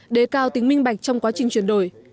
đề cao tính minh bạch trong quá trình chuyển đổi